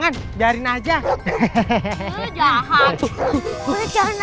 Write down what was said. langsung jalan ya bang